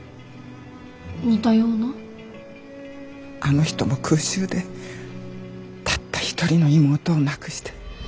あの人も空襲でたった一人の妹を亡くして。